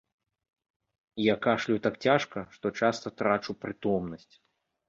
Я кашляю так цяжка, што часта трачу прытомнасць.